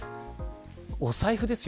お財布ですよ。